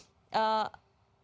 mengapa hal yang seperti ini